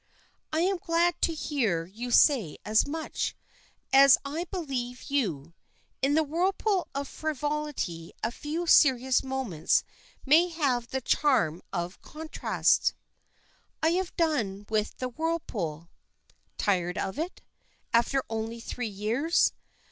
"I am glad to hear you say as much, and I believe you. In the whirlpool of frivolity a few serious moments may have the charm of contrast." "I have done with the whirlpool." "Tired of it? After only three years?